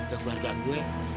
ke keluarga gue